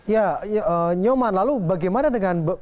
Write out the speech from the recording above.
ya nyoman lalu bagaimana dengan